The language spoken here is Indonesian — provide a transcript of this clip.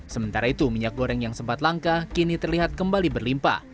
sementara itu minyak goreng yang sempat langka kini terlihat kembali berlimpah